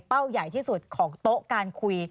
ใหญ่ที่สุดของโต๊ะการคุย